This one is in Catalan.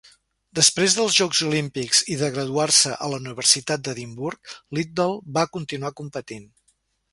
Després dels Jocs Olímpics i de graduar-se a la Universitat d'Edimburg, Liddell va continuar competint.